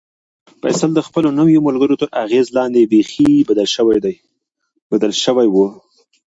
فیصل د خپلو نویو ملګرو تر اغېز لاندې بیخي بدل شوی و.